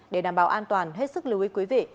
để đảm bảo an toàn hết sức lưu ý quý vị